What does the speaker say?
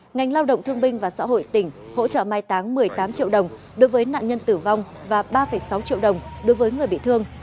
ngành lao động thương binh và xã hội tỉnh hỗ trợ mai táng một mươi tám triệu đồng đối với nạn nhân tử vong và ba sáu triệu đồng đối với người bị thương